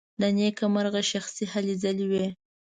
له نېکه مرغه شخصي هلې ځلې وې.